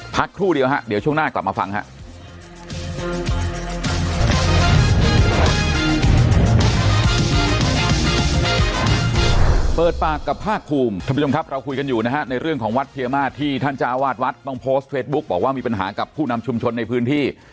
ท่านผู้ชมครับเราคุยกันอยู่นะฮะในเรื่องของวัดเทียมาสที่ท่านจ้าวาดวัดต้องโพสต์เฟสบุ๊คบอกว่ามีปัญหากับผู้นำชุมชนในพื้นที่